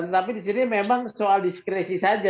tapi di sini memang soal diskresi saja